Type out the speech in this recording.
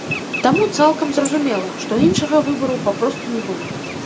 Таму цалкам зразумела, што іншага выбару папросту не было.